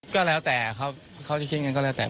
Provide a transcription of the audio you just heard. ก็แล้วแต่เขาจะคิดเงินก็แล้วแต่